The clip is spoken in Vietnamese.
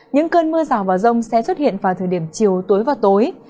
những cơn mưa rào và rông sẽ xuất hiện vào thời điểm chiều tối và tối